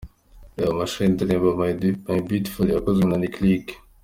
Reba amashusho y’indirimbo my Beautiful yakozwe na Lick Lick :.